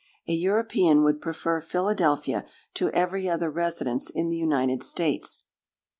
A European would prefer Philadelphia to every other residence in the United States.